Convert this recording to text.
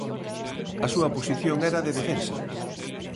A súa posición era de defensa.